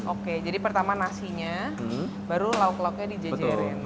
oke jadi pertama nasinya baru log lognya dijajarin gitu